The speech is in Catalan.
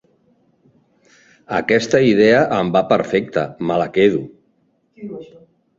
Aquesta idea em va perfecte; me la quedo.